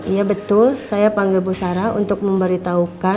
iya betul saya panggil ibu sarah